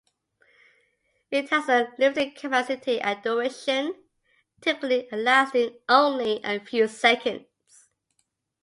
It has a limited capacity and duration, typically lasting only a few seconds.